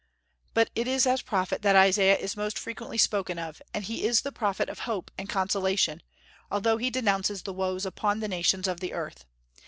But it is as prophet that Isaiah is most frequently spoken of; and he is the prophet of hope and consolation, although he denounces woes upon the nations of the earth.